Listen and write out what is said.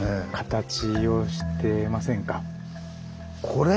これ？